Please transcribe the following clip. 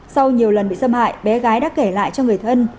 sau nhiều lần bị xâm hại bé gái đã kể lại cho người thân